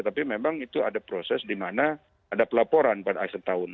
tapi memang itu ada proses di mana ada pelaporan pada akhir tahun